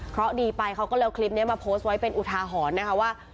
เพราะดีไปเขาก็เลยเอาคลิปนี้มาโพสต์ไว้เป็นอุทาหรณ์นะคะว่า